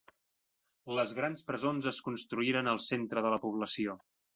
Les grans presons es construïen al centre de la població.